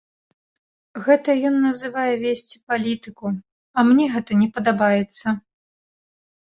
Гэта ён называе весці палітыку, а мне гэта не падабаецца.